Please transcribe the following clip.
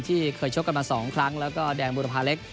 ที่เคยชกกันมา๒ครั้งแล้วก็แดงบุรพาเล็ก